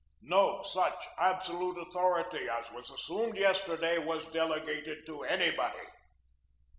No such absolute authority as was assumed yesterday was delegated to anybody.